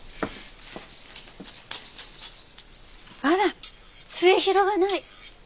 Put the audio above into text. あら末広がない。